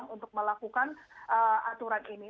untuk melakukan aturan ini